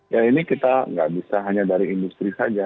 ya ini kita nggak bisa hanya dari industri saja